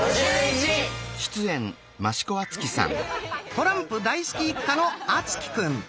トランプ大好き一家の敦貴くん。